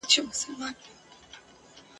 هر یو توری د غزل مي له مغان سره همزولی ..